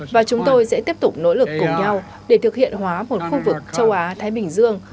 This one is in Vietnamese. và chúng tôi sẽ tiếp tục nỗ lực cùng nhau để thực hiện hóa một khu vực châu á thái bình dương